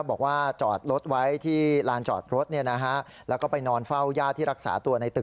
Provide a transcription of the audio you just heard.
บอกว่าจอดรถไว้ที่ลานจอดรถเนี่ยน่ะฮะแล้วก็ไปนอนเฝ้าย่าที่รักษาตัวในตึก